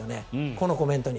このコメントに。